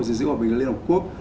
dân dữ bảo vệ liên hợp quốc